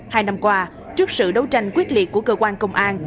hai năm qua trước sự đấu tranh quyết liệt của cơ quan công an